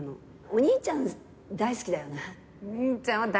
お兄ちゃんは大好きだね。